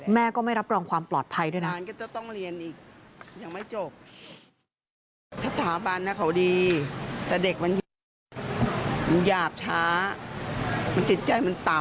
ก็ไม่รับรองความปลอดภัยด้วยนะ